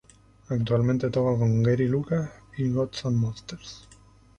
Actualmente toca con Gary Lucas y Gods and Monsters.